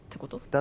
だ